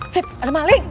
sip ada malik